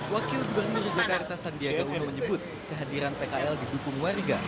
wakil gubernur jakarta sandiaga uno menyebut kehadiran pkl didukung warga